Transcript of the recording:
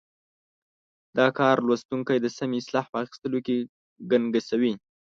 دا کار لوستونکی د سمې اصطلاح په اخیستلو کې ګنګسوي.